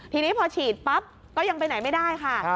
ทีนี้พอฉีดปั๊บก็ยังไปไหนไม่ได้ค่ะ